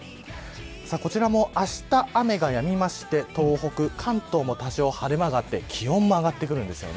こちらも、あした雨がやみまして東北、関東も多少晴れ間があって気温も上がってくるんです。